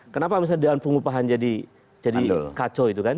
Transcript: kenapa misalnya daun pengupahan jadi kacau